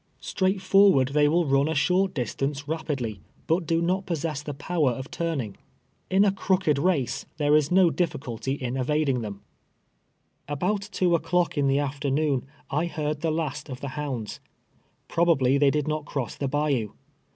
Straight forward, they will run a short distance rapidly, hut do not possess the power of turning. In a crook ed race, there is no difficulty in evading them. About two o'clock in the afternuim, I heard the last of the hounds. Probably they did not cross the bayou.